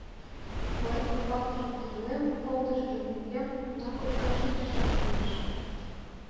— Мый урвалтыжым тӧрлем, полдышыжым ургем, тунам кочкаш шинчашат лиеш.